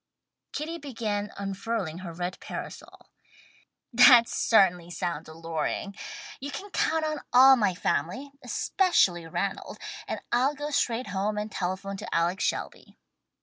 '" Kitty began unfurling her red parasol. "That certainly sounds alluring. You can count on all my family, especially Ranald, and I'll go straight home and telephone to Alex Shelby."